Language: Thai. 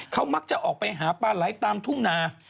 เขามักจะออกไปหาปลาไหลตามทุ่งนา